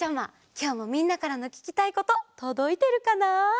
きょうもみんなからのききたいこととどいてるかな？